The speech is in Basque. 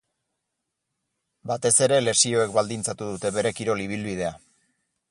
Batez ere lesioek baldintzatu dute bere kirol ibilbidea.